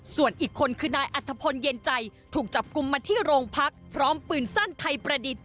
ส่วนอีกคนคือนายอัธพลเย็นใจถูกจับกลุ่มมาที่โรงพักพร้อมปืนสั้นไทยประดิษฐ์